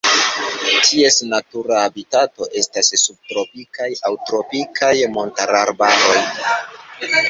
Ties natura habitato estas subtropikaj aŭ tropikaj montararbaroj.